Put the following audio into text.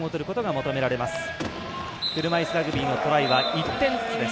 車いすラグビーのトライは１点ずつです。